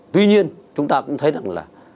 tuy nhiên chúng ta cũng thấy rằng là